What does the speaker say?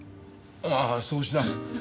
ああそうしな。